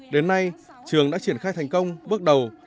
đến nay trường đã triển khai thành công bước đầu